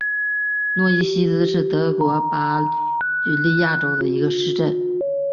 诺伊西茨是德国巴伐利亚州的一个市镇。